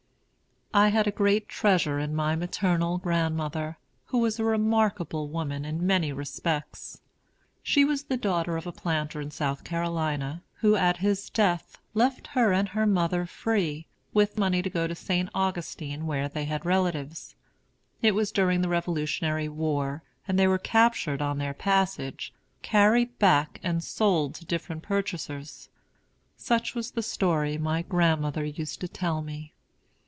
I had a great treasure in my maternal grandmother, who was a remarkable woman in many respects. She was the daughter of a planter in South Carolina, who, at his death, left her and her mother free, with money to go to St. Augustine, where they had relatives. It was during the Revolutionary War, and they were captured on their passage, carried back, and sold to different purchasers. Such was the story my grandmother used to tell me.